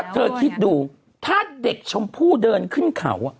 เธอคิดดูถ้าเด็กชมพู่เดินขึ้นเขา